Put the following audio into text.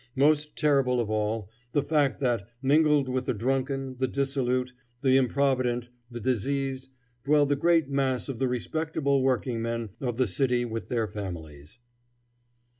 Most terrible of all... the fact that, mingled with the drunken, the dissolute, the improvident, the diseased, dwell the great mass of the respectable workingmen of the city with their families."